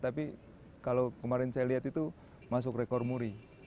tapi kalau kemarin saya lihat itu masuk rekor muri